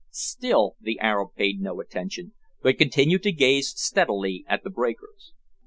Still the Arab paid no attention, but continued to gaze steadily at the breakers.